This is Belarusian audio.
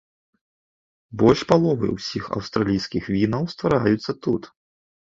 Больш паловы ўсіх аўстралійскіх вінаў ствараюцца тут.